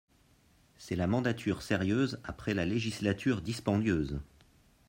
C’est la mandature sérieuse après la législature dispendieuse